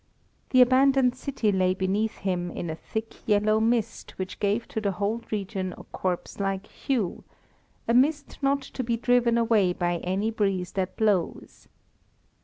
The abandoned city lay beneath him in a thick, yellow mist, which gave to the whole region a corpse like hue, a mist not to be driven away by any breeze that blows.